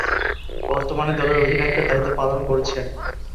বর্তমানে দলের অধিনায়কের দায়িত্ব পালন করছেন।